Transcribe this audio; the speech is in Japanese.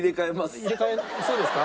そうですか？